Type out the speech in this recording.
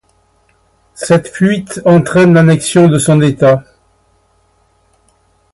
Cette fuite entraîne l’annexion de son État.